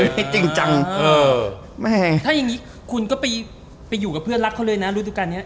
มาเน้นให้จริงจังแม่ถ้าอย่างนี้คุณก็ไปอยู่กับเพื่อนรักเขาเลยนะรู้จักกันเนี่ย